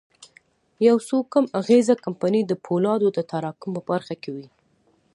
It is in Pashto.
يو څو کم اغېزه کمپنۍ د پولادو د تراکم په برخه کې وې.